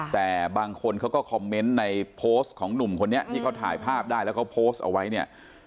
แต่บางคนเขาก็คอมเมนต์ในโพสต์ของหนุ่มคนนี้ที่เขาถ่ายภาพได้แล้วเขาโพสต์เอาไว้เนี่ย